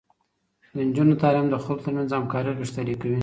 د نجونو تعليم د خلکو ترمنځ همکاري غښتلې کوي.